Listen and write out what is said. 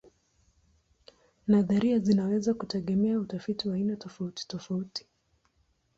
Nadharia zinaweza kutegemea utafiti wa aina tofautitofauti.